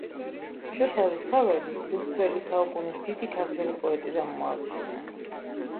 შოთა რუსთაველი, რუსთველი საუკუნის დიდი ქართველი პოეტი და მოაზროვნე